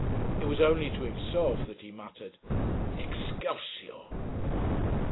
It was only to himself that he muttered 'Excelsior!